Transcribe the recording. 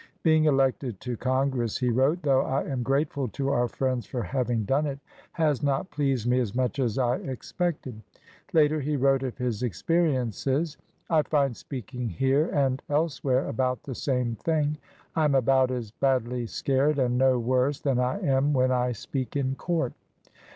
"Being elected to Con gress," he wrote, "though I am grateful to our friends for having done it, has not pleased me as much as I expected." Later he wrote of his experiences: "I find speaking here and else where about the same thing. I am about as badly scared and no worse than I am when I speak in court."